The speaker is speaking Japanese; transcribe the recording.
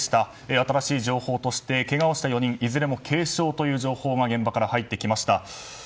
新しい情報としてけがをした４人いずれも軽傷という情報が現場から入ってきました。